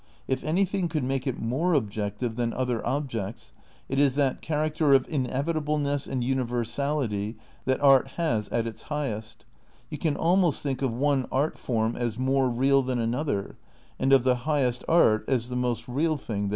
If anything could make it more objective than other objects it is that character of in evitableness and universality that art has at its high est ; you can almost think of one art form as more real than another and of the highest art as the most real thing there is.